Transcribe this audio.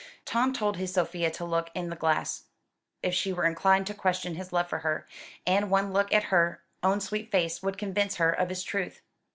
Tom told his Sophia to look in the glass, if she were inclined to question his love for her, and one look at her own sweet face would convince her of his truth.